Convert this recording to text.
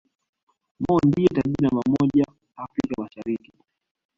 Mo ndiye tajiri namba moja Afrika Mashariki